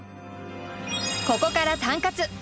ここからタンカツ！